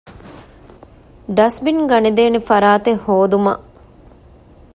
ޑަސްބިން ގަނެދޭނެ ފަރާތެއް ހޯދުމަށް